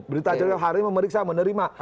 berita jurnal hari ini memeriksa menerima